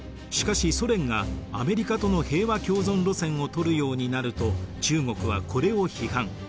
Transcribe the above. しかしソ連がアメリカとの平和共存路線をとるようになると中国はこれを批判。